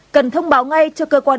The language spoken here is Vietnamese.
cần thông báo ngay cho cơ quan